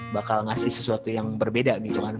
bakal ngasih sesuatu yang berbeda gitu kan